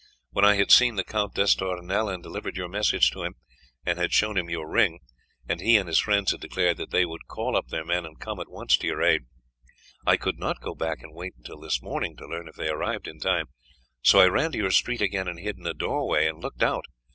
When I had seen the Count d'Estournel and delivered your message to him and had shown him your ring, and he and his friends had declared that they would call up their men and come at once to your aid, I could not go back and wait until this morning to learn if they arrived in time, so I ran to your street again and hid in a doorway and looked out.